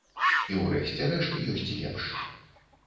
І ўрэшце рэшт ёсць лепш.